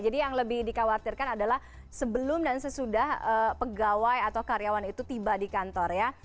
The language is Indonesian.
yang lebih dikhawatirkan adalah sebelum dan sesudah pegawai atau karyawan itu tiba di kantor ya